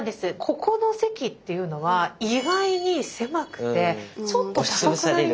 ここの席っていうのは意外に狭くてちょっと高くなりませんか？